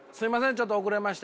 ちょっと遅れまして。